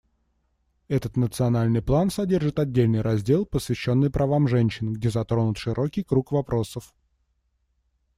Этот национальный план содержит отдельный раздел, посвященный правам женщин, где затронут широкий круг вопросов.